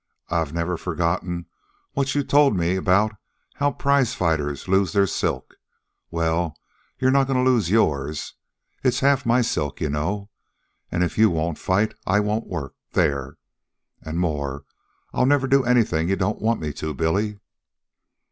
I've never forgotten what you told me about how prizefighters lose their silk. Well, you're not going to lose yours. It's half my silk, you know. And if you won't fight, I won't work there. And more, I'll never do anything you don't want me to, Billy."